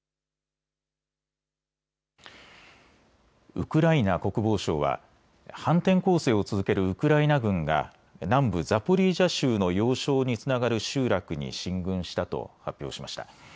ウクライナ国防省は反転攻勢を続けるウクライナ軍が南部ザポリージャ州の要衝につながる集落に進軍したと発表しました。